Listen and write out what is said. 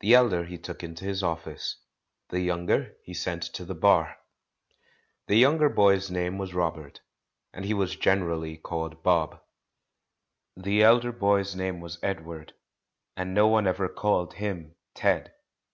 The elder he took into his office; the younger he sent to the Bar. The younger boy's name was Robert, and he was generally called "Bob." The elder boy's name was Ed ward, and no one ever called him "Ted."